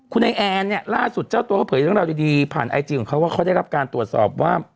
คุณไอแอนเนี่ยล่าสุดเจ้าตัวเขาเผยเรื่องราวดีผ่านไอจีของเขาว่าเขาได้รับการตรวจสอบว่า